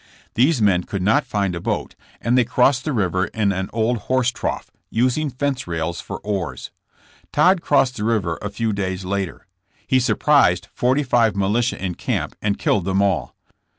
These men could not find a boat, and they crossed the river in an old horse trough, using fence rails for oars. Todd crossed the river a few days later. He surprised forty five militia in camp and killed them all.